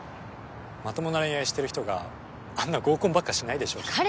まともな恋愛してる人があんな合コンばっかしないでしょ彼氏